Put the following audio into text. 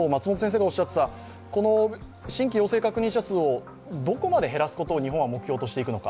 あと、新規陽性確認者数をどこまで減らすことを日本は目標としていくのか。